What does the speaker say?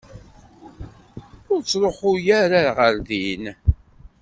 Ur ttṛuḥu ara ɣer din.